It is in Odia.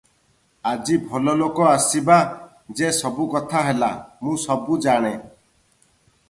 ଆଜି ଭଲଲୋକ ଆସିବା- ଯେ ସବୁ କଥା ହେଲା, ମୁଁ ସବୁ ଜାଣେ ।